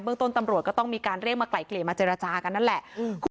ต้นตำรวจก็ต้องมีการเรียกมาไกลเกลี่ยมาเจรจากันนั่นแหละ